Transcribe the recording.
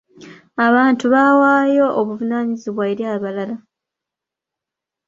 Abantu bawaayo obuvunaanyizibwa eri balala.